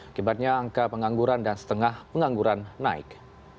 akibatnya angka pengangguran dan setengah pengangguran naik